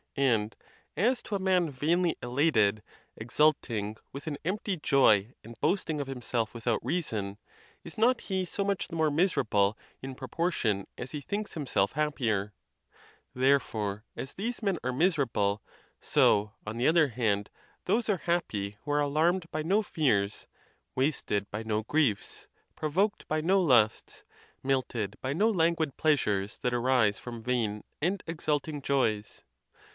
And as to a mar vainly elated, exulting with an empty joy, and boasting of himself without reason, is not he so much the more miserable in proportion as he thinks himself happier ? Therefore, as these men are miserable, so, on the other hand, those are happy who are alarmed by no fears, wasted by no griefs, provoked by no lusts, melted by no languid pleasures that arise from vain and exulting joys.